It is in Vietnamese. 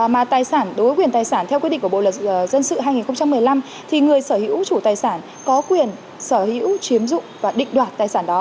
mà tài sản đối với quyền tài sản theo quyết định của bộ luật dân sự hai nghìn một mươi năm thì người sở hữu chủ tài sản có quyền sở hữu chiếm dụng và định đoạt tài sản đó